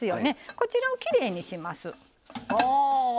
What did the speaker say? こちらをきれいにします。